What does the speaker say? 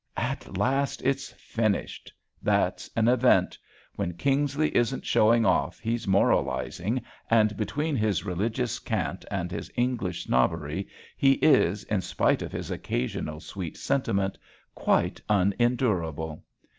"At last it's finished. That's an event. When Kingsley isn't showing off he's moralizing, and between his religious cant and his English snobbery he is, in spite of his occasional sweet sentiment, quite unendurable.